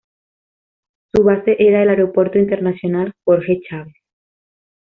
Su base era el Aeropuerto Internacional Jorge Chávez.